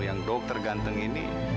yang dokter gantengnya